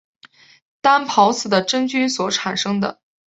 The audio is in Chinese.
担孢子的真菌所产生的。